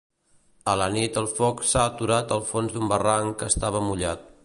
A la nit el foc s'ha aturat al fons d'un barranc que estava mullat.